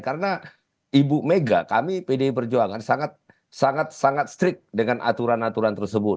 karena ibu mega kami pdi perjuangan sangat sangat sangat strict dengan aturan aturan tersebut